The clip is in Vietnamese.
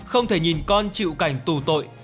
không thể nhìn con chịu cảnh tù tội